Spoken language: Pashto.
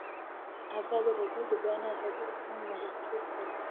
ازادي راډیو د د بیان آزادي اړوند مرکې کړي.